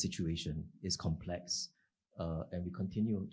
situasi sekarang sangat rumit